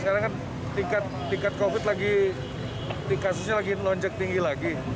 sekarang kan tingkat covid dikasihnya lagi lonjak tinggi lagi